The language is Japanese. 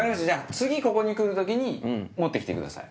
次ここに来る時に持って来てください。